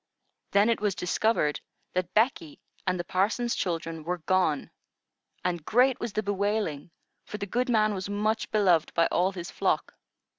Then it was discovered that Becky and the parson's children were gone, and great was the bewailing, for the good man was much beloved by all his flock.